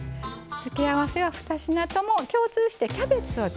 付け合わせは２品とも共通してキャベツを使いました。